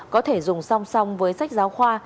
có thể dùng song song với sách giáo khoa